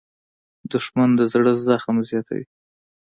دښمن د زړه زخم زیاتوي